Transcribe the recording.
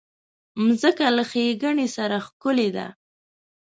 مځکه له ښېګڼې سره ښکلې ده.